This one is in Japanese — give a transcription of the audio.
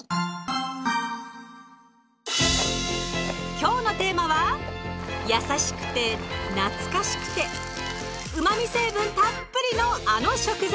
今日のテーマは優しくて懐かしくてうまみ成分たっぷりのあの食材！